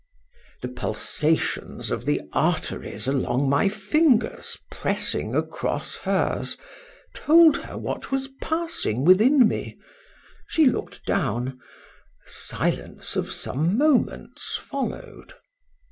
The pulsations of the arteries along my fingers pressing across hers, told her what was passing within me: she looked down—a silence of some moments followed.